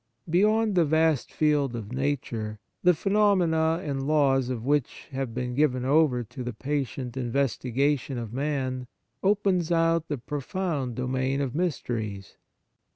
Beyond the vast field of Nature, the phenomena and laws of which have been given over to the patient investigation of man, opens out the profound domain of mysteries.